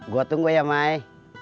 gua tunggu ya mai